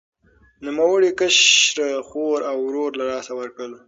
نوموړي کشره خور او ورور له لاسه ورکړل.